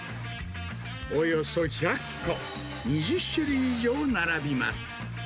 およそ１００個、２０種類以上並びます。